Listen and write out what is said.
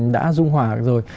đã dung hòa rồi